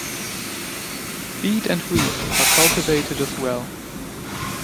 Beet and wheat are cultivated as well.